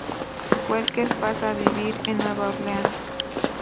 Walker pasa a vivir en Nueva Orleans.